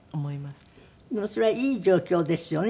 でもそれはいい状況ですよね。